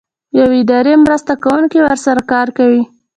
یو اداري مرسته کوونکی ورسره کار کوي.